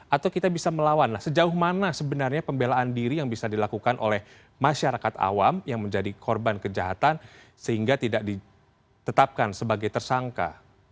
atau kita bisa melawan sejauh mana sebenarnya pembelaan diri yang bisa dilakukan oleh masyarakat awam yang menjadi korban kejahatan sehingga tidak ditetapkan sebagai tersangka